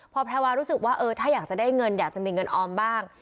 พอแพรวารู้สึกว่าเออถ้าอยากจะได้เงินอยากจะมีเงินออมบ้าง